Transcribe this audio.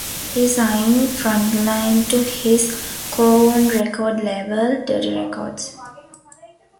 He signed Frontline to his co-owned record label, Dirty Records.